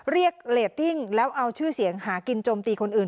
เรียกเรตติ้งแล้วเอาชื่อเสียงหากินโจมตีคนอื่น